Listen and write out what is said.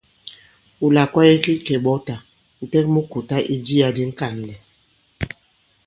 Wula kwaye ki kèɓɔtà, ǹtɛk mu kùta i jiyā di ŋ̀kànlɛ̀.